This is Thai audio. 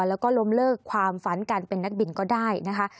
แล้วก็ล้มเลิกความฝันการเป็นนักบินก็ได้นะคะ